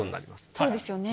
そうですよね。